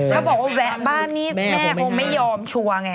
ถ้าบอกว่าแวะบ้านนี่แม่คงไม่ยอมชัวร์ไง